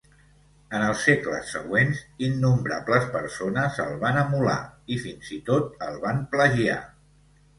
En els segles següents, innombrables persones el van emular i, fins i tot, el van plagiar.